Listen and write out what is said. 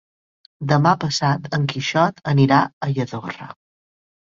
Demà passat en Quixot anirà a Lladorre.